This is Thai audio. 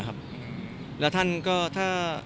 แล้วท่านก็ถ้า